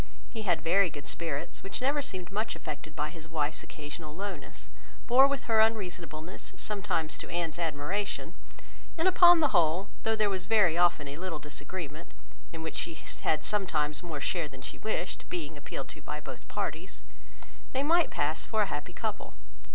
He had very good spirits, which never seemed much affected by his wife's occasional lowness, bore with her unreasonableness sometimes to Anne's admiration, and upon the whole, though there was very often a little disagreement (in which she had sometimes more share than she wished, being appealed to by both parties), they might pass for a happy couple.